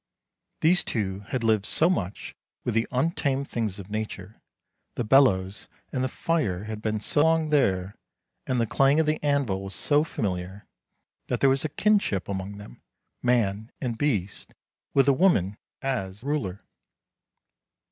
These two had lived so much with the untamed things of nature, the bellows and the fire had been so long there, and the clang of the anvil was so familiar, that there was a kinship among them, man and beast, with the woman as ruler.